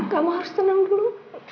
kamu harus tenang dulu